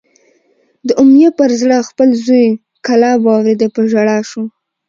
د امیة پر زړه خپل زوی کلاب واورېدی، په ژړا شو